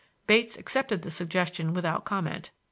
Bates accepted the suggestion without comment.